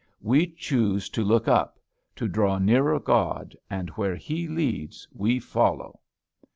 We choose to look up; to draw nearer God; and where He leads we follow."